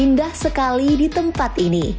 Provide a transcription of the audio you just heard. indah sekali di tempat ini